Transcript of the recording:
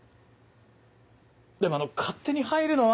でもあの勝手に入るのは。